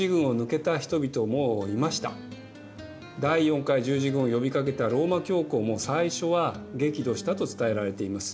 第４回十字軍を呼びかけたローマ教皇も最初は激怒したと伝えられています。